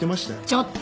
ちょっと！